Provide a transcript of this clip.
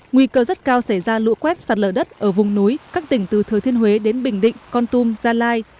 nguy cơ rất cao xảy ra lũ quét sạt lở đất ở vùng núi các tỉnh từ thừa thiên huế đến bình định con tum gia lai